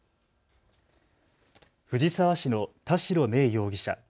藤沢市の田代芽衣容疑者。